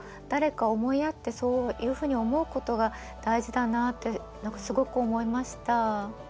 誰か思いやってそういうふうに思うことが大事だなって何かすごく思いました。